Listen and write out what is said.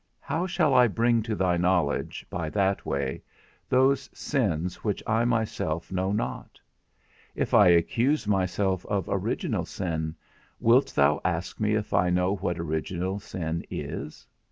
How shall I bring to thy knowledge, by that way, those sins which I myself know not? If I accuse myself of original sin, wilt thou ask me if I know what original sin is?